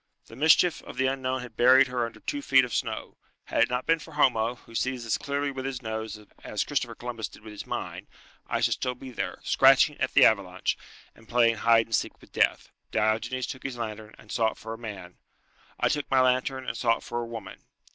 The mischief of the unknown had buried her under two feet of snow. Had it not been for Homo, who sees as clearly with his nose as Christopher Columbus did with his mind, I should be still there, scratching at the avalanche, and playing hide and seek with Death. Diogenes took his lantern and sought for a man; I took my lantern and sought for a woman.